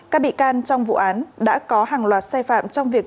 các bị can trong vụ án đã có hàng loạt sai phạm trong việc